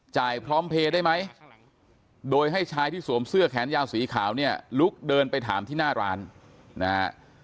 พร้อมเพลย์ได้ไหมโดยให้ชายที่สวมเสื้อแขนยาวสีขาวเนี่ยลุกเดินไปถามที่หน้าร้านนะฮะ